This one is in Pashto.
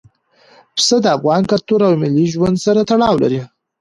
پسه د افغان کلتور او ملي ژوند سره تړاو لري.